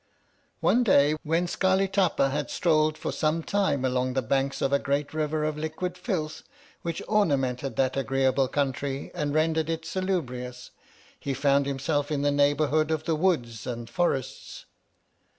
One day, when Scarli Tapa had strolled for some time along the banks of a great river of liquid filth which ornamented that agreeable country and rendered it salubrious, he found himself in the neighbourhood of the Woods and Forests.